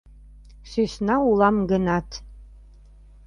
СӦСНА УЛАМ ГЫНАТ...